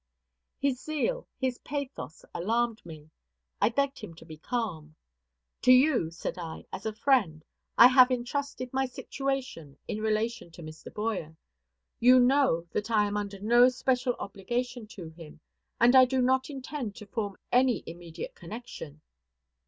His zeal, his pathos, alarmed me. I begged him to be calm. "To you," said I, "as a friend, I have intrusted my situation in relation to Mr. Boyer. You know that I am under no special obligation to him, and I do not intend to form any immediate connection."